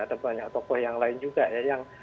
ada banyak tokoh yang lain juga ya